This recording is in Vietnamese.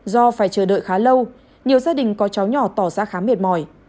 do phải chờ đợi khá lâu nhiều gia đình có cháu nhỏ tỏ ra khá mệt mỏi